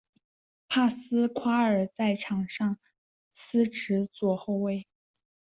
帕斯夸尔在场上司职左后卫。